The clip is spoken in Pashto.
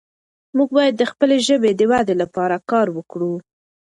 موږ باید د خپلې ژبې د ودې لپاره کار وکړو.